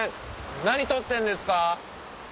何取ってんですか？